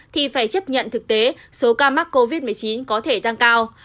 thì phải chấp nhận thực tế số ca mắc covid một mươi chín có thể tăng cao